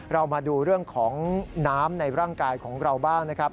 เรามาดูเรื่องของน้ำในร่างกายของเราบ้างนะครับ